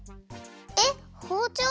えっほうちょう？